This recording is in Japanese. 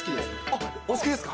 あっ、お好きですか。